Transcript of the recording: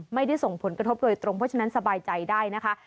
ไม่ได้ส่งผลกระทบโดยตรงเพราะฉะนั้นสบายใจได้นะคะ